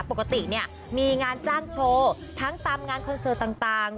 ปกติเนี่ยมีงานจ้างโชว์ทั้งตามงานคอนเสิร์ตต่าง